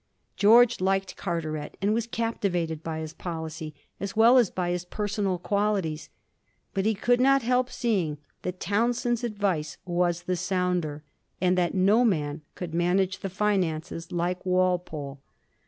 George liked Carteret and was captivated by his policy, as well as by his personal qualities, but he could not help seeing that Townshend's advice was the sounder, and that no man could manage the finances like Walpole.